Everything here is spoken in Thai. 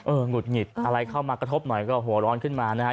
หงุดหงิดอะไรเข้ามากระทบหน่อยก็หัวร้อนขึ้นมานะฮะ